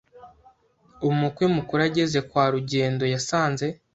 Umukwe mukuru ageze kwa Rugendo yasanze